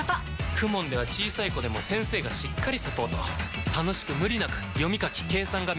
ＫＵＭＯＮ では小さい子でも先生がしっかりサポート楽しく無理なく読み書き計算が身につきます！